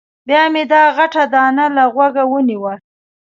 بیا مې دا غټه دانه له غوږه ونیوه.